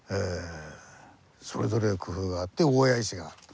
それぞれ工夫があって大谷石があると。